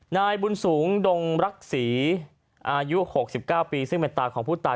นายบุญสูงดงรักษีอายุ๖๙ปีซึ่งเป็นตาของผู้ตาย